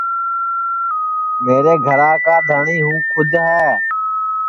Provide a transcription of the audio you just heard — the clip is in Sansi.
میرے گھرا کا دھٹؔی ہوں کُھد ہے